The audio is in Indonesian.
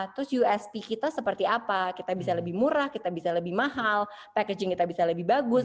terus usp kita seperti apa kita bisa lebih murah kita bisa lebih mahal packaging kita bisa lebih bagus